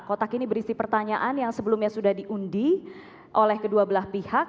kotak ini berisi pertanyaan yang sebelumnya sudah diundi oleh kedua belah pihak